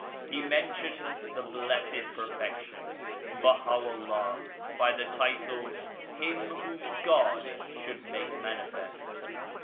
He mentioned the Blessed Perfection Baha 'Ullah by the title "Him whom God should make manifest."